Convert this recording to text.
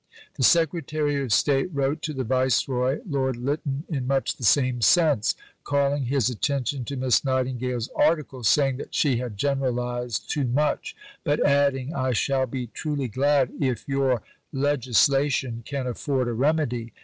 The Secretary of State wrote to the Viceroy, Lord Lytton, in much the same sense; calling his attention to Miss Nightingale's article, saying that she had generalized too much, but adding, "I shall be truly glad if your legislation can afford a remedy."